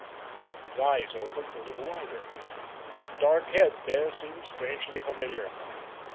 His eyes opened a little wider. That dark head there seemed strangely familiar.